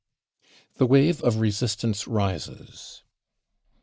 * The Wave of Resistance Rises.